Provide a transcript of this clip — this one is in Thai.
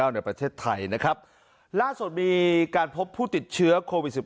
ในประเทศไทยนะครับล่าสุดมีการพบผู้ติดเชื้อโควิด๑๙